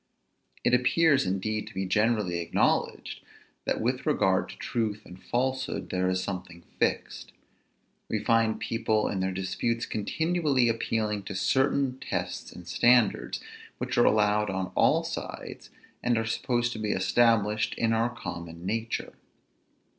It appears, indeed, to be generally acknowledged, that with regard to truth and falsehood there is something fixed. We find people in their disputes continually appealing to certain tests and standards, which are allowed on all sides, and are supposed to be established in our common nature.